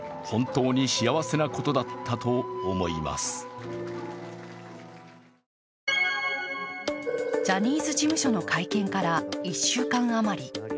中車さんはジャニーズ事務所の会見から１週間あまり。